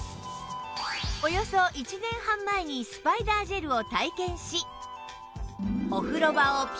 およそ１年半前にスパイダージェルを体験し